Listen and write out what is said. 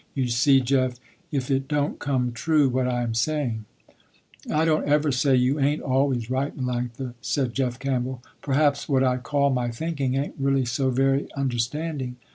You see, Jeff, if it don't come true what I am saying." "I don't ever say you ain't always right, Melanctha," said Jeff Campbell. "Perhaps what I call my thinking ain't really so very understanding.